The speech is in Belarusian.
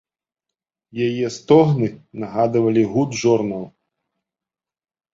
Яе стогны нагадвалі гуд жорнаў.